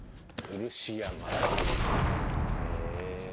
「漆山」へえ。